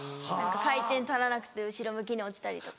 回転足らなくて後ろ向きに落ちたりとか。